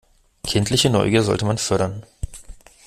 Kindliche Neugier sollte man fördern.